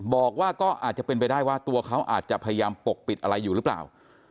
บอกว่าก็อาจจะเป็นไปได้ว่าตัวเขาอาจจะพยายามปกปิดอะไรอยู่หรือเปล่า